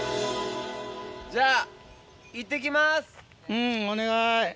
うんお願い。